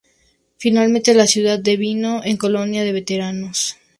Finalmente la ciudad devino en colonia de veteranos.